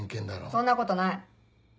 そんなことない。